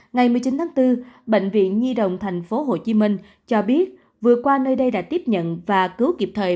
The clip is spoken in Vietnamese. ngày một mươi chín tháng bốn bệnh viện nhi đồng thành phố hồ chí minh cho biết vừa qua nơi đây đã tiếp nhận và cứu kịp thời